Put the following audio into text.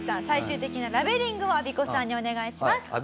最終的なラベリングをアビコさんにお願いします。